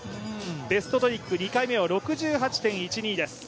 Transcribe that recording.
ベストトリック２回目を６８．１２です。